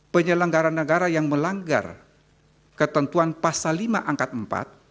penyelenggara negara yang melanggar ketentuan pasal lima angkat empat